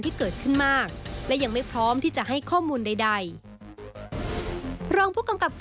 ผู้จำกัดเห็นแล้ว